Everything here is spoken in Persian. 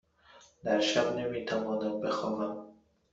در شب نمی توانم بخوابم.